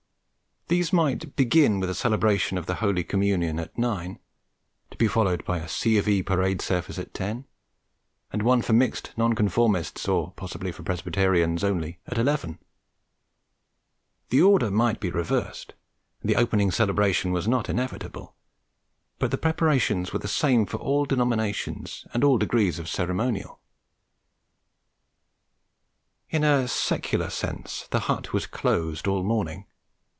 These might begin with a celebration of the Holy Communion at nine, to be followed by a C. of E. parade service at ten and one for mixed Nonconformists, or possibly for Presbyterians only, at eleven; the order might be reversed, and the opening celebration was not inevitable; but the preparations were the same for all denominations and all degrees of ceremonial. In a secular sense the hut was closed all morning.